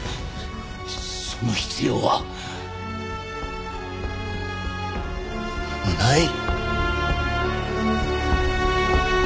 その必要はない。